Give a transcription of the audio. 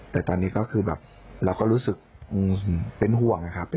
แต่ตอนนี้ก็คือแบบเราก็รู้สึกเป็นห่วงนะครับ